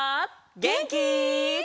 げんき？